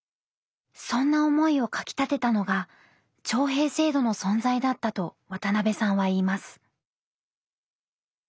そんな思いをかきたてたのが徴兵制度の存在だったと渡辺さんは言います。